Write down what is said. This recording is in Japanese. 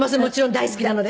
大好きなので。